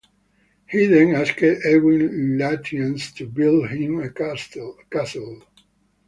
He then asked Edwin Lutyens to build him a castle.